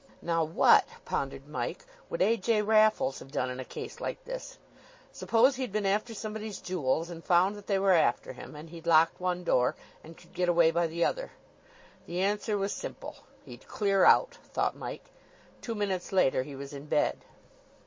"Now what," pondered Mike, "would A. J. Raffles have done in a case like this? Suppose he'd been after somebody's jewels, and found that they were after him, and he'd locked one door, and could get away by the other." The answer was simple. "He'd clear out," thought Mike. Two minutes later he was in bed.